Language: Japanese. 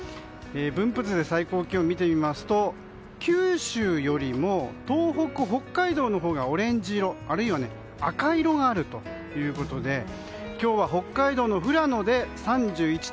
分布図で最高気温を見てみますと九州よりも東北、北海道のほうがオレンジ色あるいは赤色があるということで今日は、北海道の富良野で３１．１度。